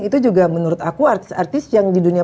itu juga menurut aku artis artis yang di dunia